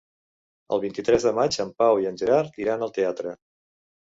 El vint-i-tres de maig en Pau i en Gerard iran al teatre.